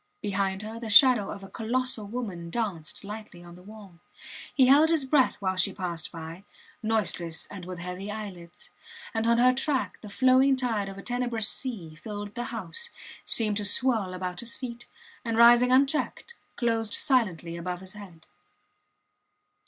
Behind her the shadow of a colossal woman danced lightly on the wall. He held his breath while she passed by, noiseless and with heavy eyelids. And on her track the flowing tide of a tenebrous sea filled the house, seemed to swirl about his feet, and rising unchecked, closed silently above his head.